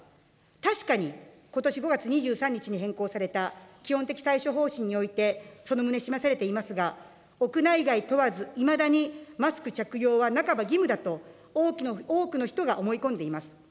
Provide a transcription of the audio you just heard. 確かにことし５月２３日に変更された基本的対処方針においてその旨、示されていますが、屋内外問わずいまだにマスク着用は半ば義務だと、多くの人が思い込んでいます。